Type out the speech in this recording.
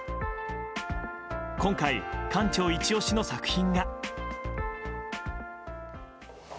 今回、館長イチ押しの作品が。